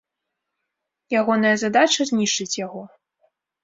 Ягоная задача знішчыць яго.